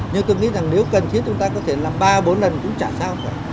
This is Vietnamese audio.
nhưng tôi nghĩ rằng nếu cần thiết chúng ta có thể làm ba bốn lần cũng trả sao cả